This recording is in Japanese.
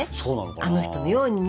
あの人のようにね。